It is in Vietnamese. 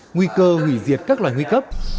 nguy cơ hủy diệt các loài nguy cấp